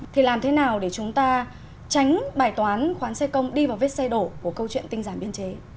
thì làm thế nào để chúng ta tránh bài toán khoán xe công đi vào vết xe đổ của câu chuyện tinh giảm biên chế